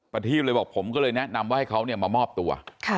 ประทีบเลยบอกผมก็เลยแนะนำว่าให้เขามามอบตัว